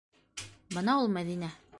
Бына ул. Мәҙинә.